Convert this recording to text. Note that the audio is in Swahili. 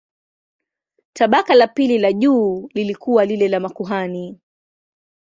Tabaka la pili la juu lilikuwa lile la makuhani.